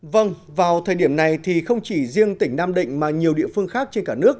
vâng vào thời điểm này thì không chỉ riêng tỉnh nam định mà nhiều địa phương khác trên cả nước